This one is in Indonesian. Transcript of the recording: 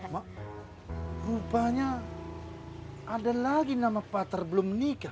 mak rupanya ada lagi nama patar belum nikah